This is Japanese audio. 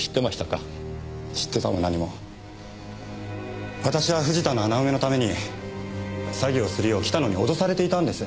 知ってたも何も私は藤田の穴埋めのために詐欺をするよう北野に脅されていたんです。